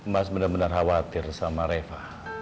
mas bener bener khawatir sama reva